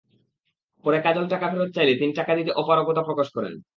পরে কাজল টাকা ফেরত চাইলে তিনি টাকা দিতে অপরগতা প্রকাশ করেন।